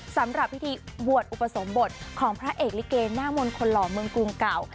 สำหรับพิธีบวชอุปสมบทของพระเอกลิเกหน้ามนต์คนหล่อเมืองกรุงเก่า